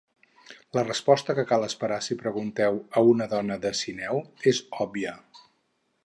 La resposta que cal esperar si pregunteu a una dona de Sineu és òbvia.